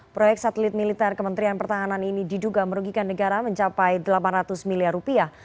proyek satelit militer kementerian pertahanan ini diduga merugikan negara mencapai delapan ratus miliar rupiah